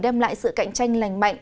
đem lại sự cạnh tranh lành mạnh